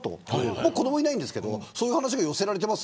僕、子どもいないんですけどそういう話がきてます